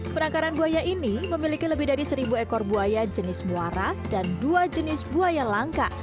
penangkaran buaya ini memiliki lebih dari seribu ekor buaya jenis muara dan dua jenis buaya langka